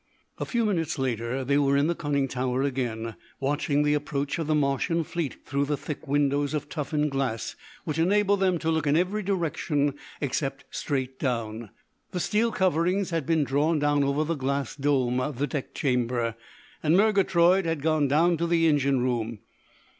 A few minutes later they were in the conning tower again, watching the approach of the Martian fleet through the thick windows of toughened glass which enabled them to look in every direction except straight down. The steel coverings had been drawn down over the glass dome of the deck chamber, and Murgatroyd had gone down to the engine room.